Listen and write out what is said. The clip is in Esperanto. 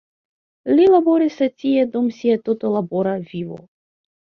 Li laboris tie dum sia tuta labora vivo.